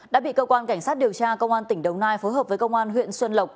đã bị cơ quan cảnh sát điều tra công an tỉnh đồng nai phối hợp với công an huyện xuân lộc